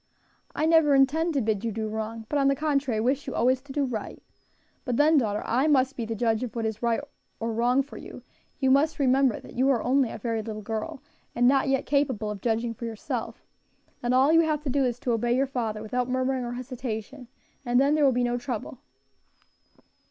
"I never intend to bid you do wrong, but, on the contrary, wish you always to do right. But then, daughter, I must be the judge of what is wrong or right for you; you must remember that you are only a very little girl, and not yet capable of judging for yourself, and all you have to do is to obey your father without murmuring or hesitation, and then there will be no trouble."